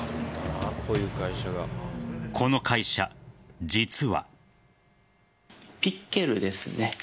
この会社、実は。